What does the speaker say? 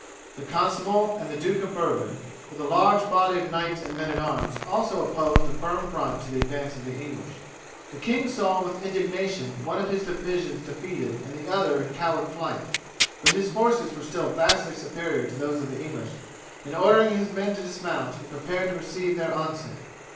The Constable and the Duke of Bourbon with a large body of knights and men at arms also opposed a firm front to the advance of the English. The king saw with indignation one of his divisions defeated and the other in coward flight, but his forces were still vastly superior to those of the English, and ordering his men to dismount, he prepared to receive their onset.